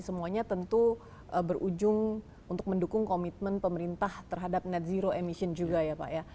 semuanya tentu berujung untuk mendukung komitmen pemerintah terhadap net zero emission juga ya pak ya